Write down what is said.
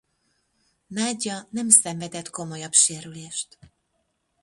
Nadia nem szenvedett komolyabb sérülést.